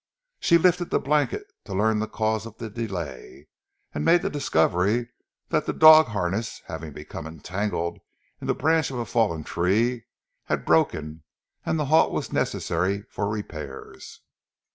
She lifted the blanket to learn the cause of the delay; and made the discovery that the dog harness having become entangled in the branch of a fallen tree, had broken and the halt was necessary for repairs.